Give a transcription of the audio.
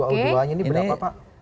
h dua o dua nya ini berapa pak